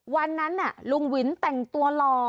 วันนั้นลุงวินแต่งตัวหล่อ